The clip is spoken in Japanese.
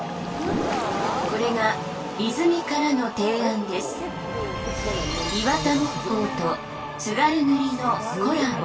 これが泉からの提案です「イワタ木工」と「津軽塗」のコラボ！